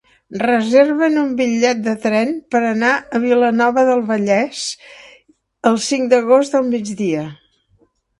Reserva'm un bitllet de tren per anar a Vilanova del Vallès el cinc d'agost al migdia.